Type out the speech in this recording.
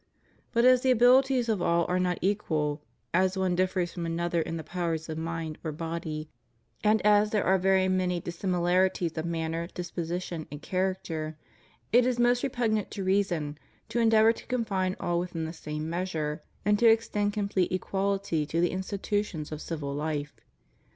But as the abiUties of all are not equal, as one differs from another in the powers of mind or body, and as there are very many dissimilarities of manner, disposition, and character, it is most repugnant to reason to endeavor to confine all within the same measure, and to extend complete equality to the institutions of civil life.